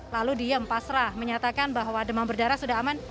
lalu diem pasrah menyatakan bahwa demam berdarah sudah aman